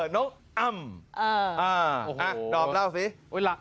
น้องอ้ำ